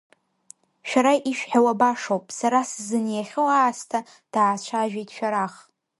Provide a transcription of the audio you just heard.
Шәара ишәҳәауа башоуп, сара сзыниахьоу аасҭа, даацәажәеит Шәарах.